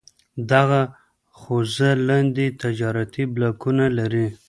دغه حوزه لاندې تجارتي بلاکونه لري: